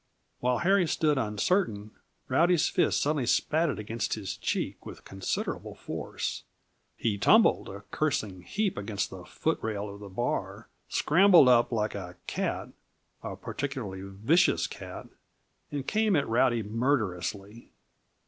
While Harry stood uncertain, Rowdy's fist suddenly spatted against his cheek with considerable force. He tumbled, a cursing heap, against the foot rail of the bar, scrambled up like a cat a particularly vicious cat and came at Rowdy murderously.